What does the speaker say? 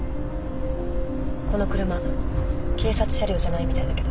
この車警察車両じゃないみたいだけど。